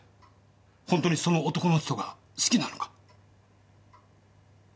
ほんとにその男の人が好きなのか？